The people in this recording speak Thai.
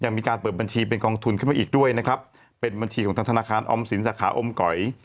มีการเปิดบัญชีเป็นกองทุนขึ้นมาอีกด้วยนะครับเป็นบัญชีของทางธนาคารออมสินสาขาอมก๋อย